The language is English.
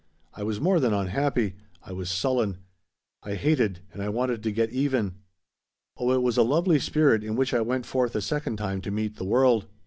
I was more than unhappy. I was sullen. I hated and I wanted to get even. Oh it was a lovely spirit in which I went forth a second time to meet the world.